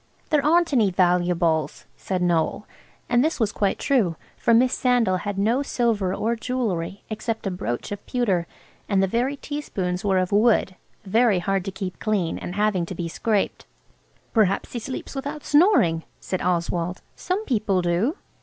"There aren't any valuables," said Noël, and this was quite true, for Miss Sandal had no silver or jewellery except a brooch of pewter, and the very teaspoons were of wood–very hard to keep clean and having to be scraped. "Perhaps he sleeps without snoring," said Oswald, "some people do."